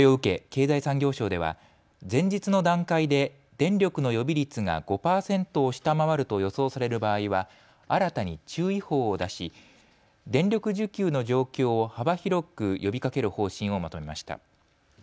経済産業省では前日の段階で電力の予備率が５％を下回ると予想される場合は新たに注意報を出し電力需給の状況を幅広く呼びかける方針をまとめました。